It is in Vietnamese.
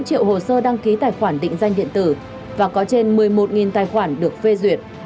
hai mươi triệu hồ sơ đăng ký tài khoản định danh điện tử và có trên một mươi một tài khoản được phê duyệt